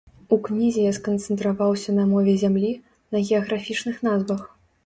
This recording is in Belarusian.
У кнізе я сканцэнтраваўся на мове зямлі, на геаграфічных назвах.